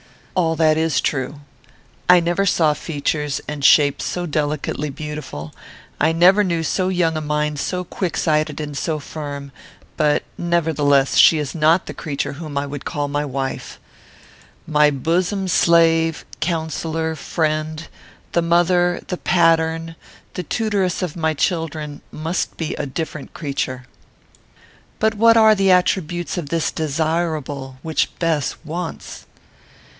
"All that is true. I never saw features and shape so delicately beautiful; I never knew so young a mind so quick sighted and so firm; but, nevertheless, she is not the creature whom I would call my wife. My bosom slave; counsellor; friend; the mother; the pattern; the tutoress of my children, must be a different creature." "But what are the attributes of this desirable which Bess wants?"